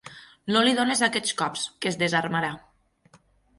No li donis aquests cops, que es desarmarà.